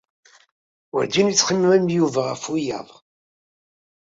Werjin yettxemmim Yuba ɣef wiyaḍ.